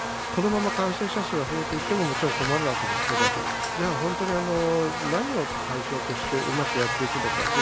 このまま感染者数が増えていってももちろん困るわけですけどでは何を対象としてうまくやっていくのか。